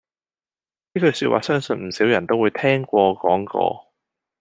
呢句說話相信唔少人都會聽過講過